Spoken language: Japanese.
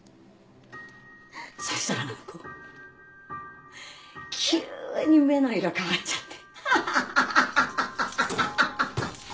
そしたらあの子急に目の色変わっちゃって。